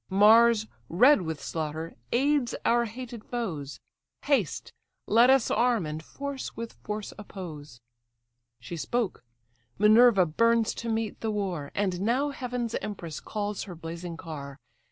Mars, red with slaughter, aids our hated foes: Haste, let us arm, and force with force oppose!" She spoke; Minerva burns to meet the war: And now heaven's empress calls her blazing car.